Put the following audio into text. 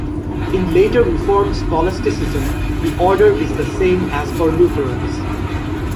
In later Reformed scholasticism the order is the same as for Lutherans.